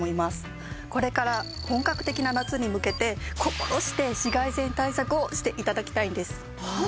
これから本格的な夏に向けて心して紫外線対策をして頂きたいんです。